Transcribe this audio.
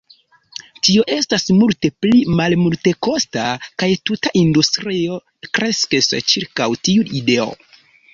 Tio estas multe pli malmultekosta, kaj tuta industrio kreskis ĉirkaŭ tiu ideo.